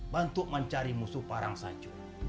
bantu mencari musuh parang salju